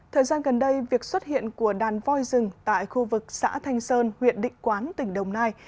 thời gian gần đây việc xuất hiện của đàn voi rừng tại khu vực xã thanh sơn huyện định quán tỉnh đồng nai